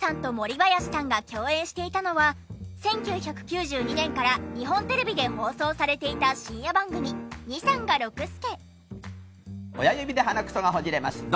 ばやしさんが共演していたのは１９９２年から日本テレビで放送されていた深夜番組『２×３が六輔』。